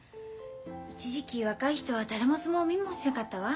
一時期若い人は誰も相撲を見もしなかったわ。